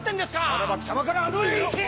ならば貴様からあの世へ行け！